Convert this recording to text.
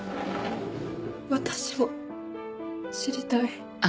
私も知りたい。